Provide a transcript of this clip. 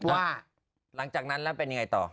ว่าหลังจากนั้นแล้วเป็นยังไงต่อ